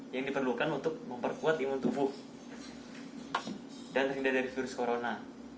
yang diperlukan untuk memperkuat imun tubuh dan terhindar dari virus corona